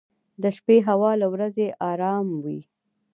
• د شپې هوا له ورځې ارام وي.